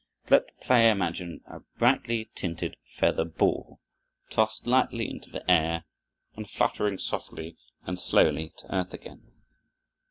Let the player imagine a brightly tinted feather ball, tossed lightly into the air and fluttering softly and slowly to earth again.